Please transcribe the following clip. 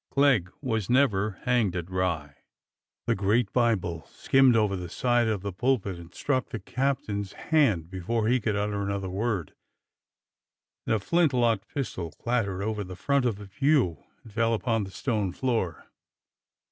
" Clegg was never hanged at Rye !" The great Bible skimmed over the side of the pulpit and struck the captain's hand before he could utter an other word, and a flint locked pistol clattered over the front of the pew and fell upon the stone floor.